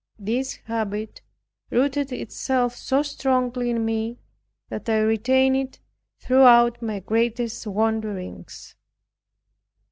This habit rooted itself so strongly in me, that I retained it throughout my greatest wanderings.